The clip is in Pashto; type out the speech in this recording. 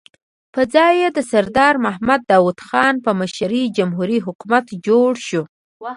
پر ځای یې د سردار محمد داؤد خان په مشرۍ جمهوري حکومت جوړ شو.